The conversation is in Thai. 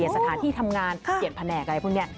สถานที่ทำงานเปลี่ยนแผนกอะไรพวกนี้